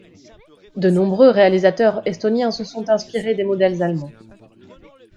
De nombreux réalisateurs estoniens se sont inspirés des modèles allemands.